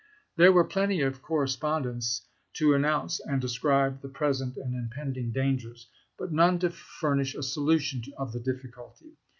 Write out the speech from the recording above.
There were plenty of correspondents to announce and describe the present and impending dangers, but none to furnish a solution of the difficulty.